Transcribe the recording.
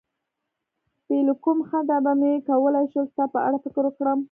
بې له کوم خنډه به مې کولای شول ستا په اړه فکر وکړم.